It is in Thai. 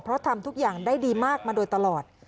เพราะทำทุกอย่างได้ดีมากมาโดยตลอด